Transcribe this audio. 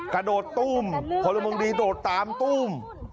กระโดดตู้มพลมงรีดดตามตู้ม